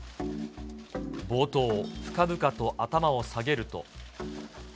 冒頭、深々と頭を下げると。